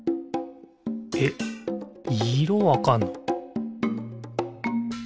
えっいろわかんの！？